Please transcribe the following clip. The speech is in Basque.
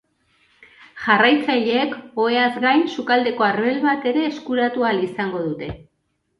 Jarraitzaileek, oheaz gain, sukaldeko arbel bat ere eskuratu ahal izango dute.